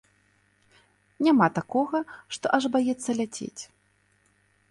Няма такога, што аж баяцца ляцець.